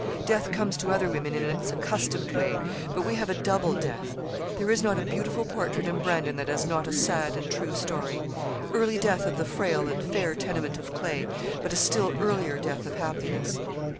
Death comes to other women in its accustomed way; but we have a double death. There is not a beautiful portrait in Brandon that has not a sad and true story. Early death of the frail and fair tenement of clay but a still earlier death of happiness.